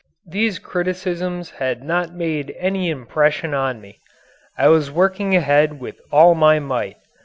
These criticisms had not made any impression on me. I was working ahead with all my might.